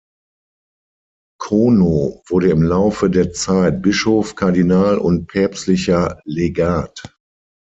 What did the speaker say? Cono wurde im Laufe der Zeit Bischof, Kardinal und päpstlicher Legat.